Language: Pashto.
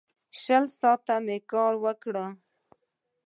شل ساعته کار مې وکړ.